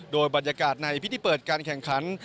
โดยบรรยากาศในพิธีเปิดการแข่งขัน